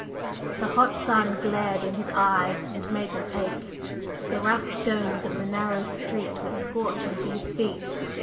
The hot sun glared in his eyes and made them ache, the rough stones of the narrow street were scorching to his feet.